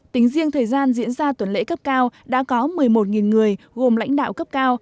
tính riêng thời gian diễn ra tuần lễ cấp cao đã có một mươi một người gồm lãnh đạo cấp cao